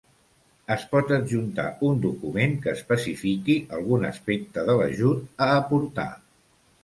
Es pot adjuntar un document que especifiqui algun aspecte de l'ajut a aportar.